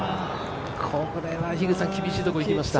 これは厳しいところいきました。